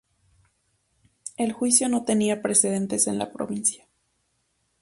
El juicio no tenía precedentes en la Provincia.